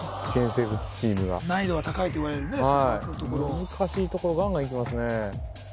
生物チームが難易度が高いといわれるね外枠のところを難しいところガンガンいきますね